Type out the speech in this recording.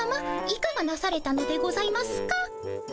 いかがなされたのでございますか？